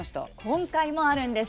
今回もあるんです。